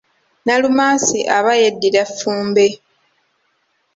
Nalumansi aba yeddira Ffumbe.